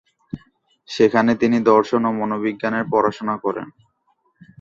সেখানে তিনি দর্শন এবং মনোবিজ্ঞান নিয়ে পড়াশোনা করেন।